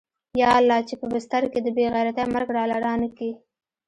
يا الله چې په بستر کې د بې غيرتۍ مرگ راله رانه کې.